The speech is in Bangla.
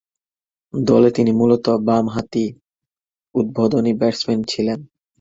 দলে তিনি মূলতঃ বামহাতি উদ্বোধনী ব্যাটসম্যান ছিলেন।